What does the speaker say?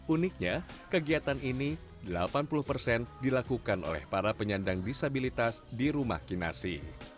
uniknya kegiatan ini delapan puluh persen dilakukan oleh para penyandang disabilitas di rumah kinasi